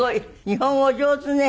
日本語お上手ね。